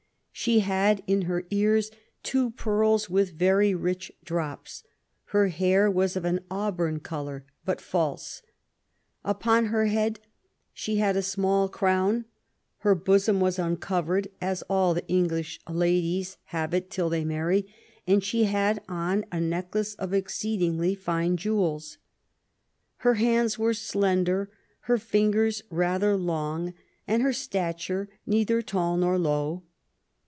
She had in her ears two pearls with very rich drops ; her hair was of an auburn colour, but false ; upon her head she had a small crown ; her bosom was uncovered, as all the English ladies have it till they marry; and she had on a necklace of exceedingly fine jewels. Her hands were slender, her fingers rather long, and her stature neither tall nor low.